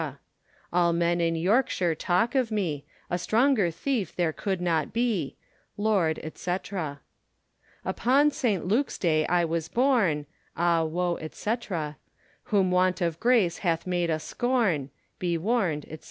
All men in Yorke shire talke of me; A stronger theefe there could not be. Lord, &c. Upon S. Lukes day was I borne, Ah woe, &c. Whom want of grace hath made a scorne, Be war, &c.